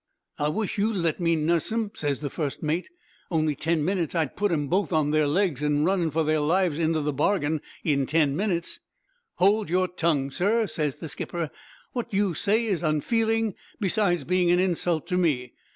"'I wish you'd let me nuss 'em,' ses the fust mate, 'only ten minutes I'd put 'em both on their legs, an' running for their lives into the bargain, in ten minutes.' "'Hold your tongue, sir,' ses the skipper; 'what you say is unfeeling, besides being an insult to me.